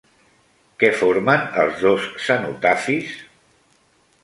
Què formen els dos cenotafis?